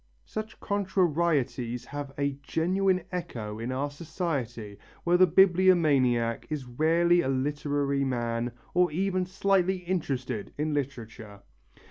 Such contrarieties have a genuine echo in our society where the bibliomaniac is rarely a literary man or even slightly interested in literature.